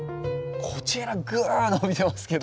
こちらグーッ伸びてますけど。